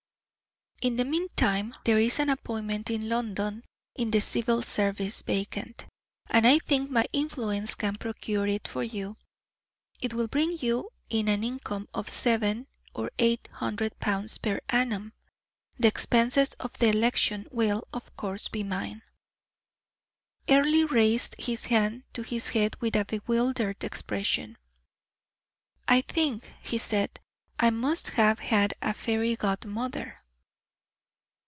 "In the meantime there is an appointment in London, in the civil service, vacant, and I think my influence can procure it for you. It will bring you in an income of seven or eight hundred pounds per annum. The expenses of the election will, of course, be mine." Earle raised his hand to his head with a bewildered expression. "I think," he said, "I must have had a fairy godmother."